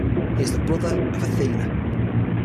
He is the brother of Athena.